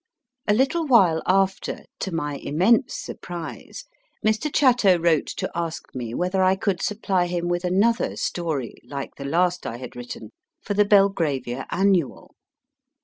A little while after, to my immense surprise, Mr. Chatto wrote to ask me whether I could supply him with another story, like the last I had written, for the Belgravia Annual.